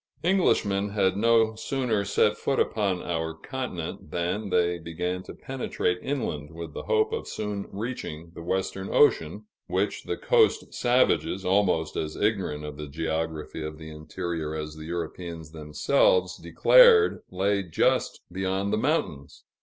Englishmen had no sooner set foot upon our continent, than they began to penetrate inland with the hope of soon reaching the Western Ocean, which the coast savages, almost as ignorant of the geography of the interior as the Europeans themselves, declared lay just beyond the mountains.